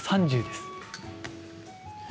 ３０です。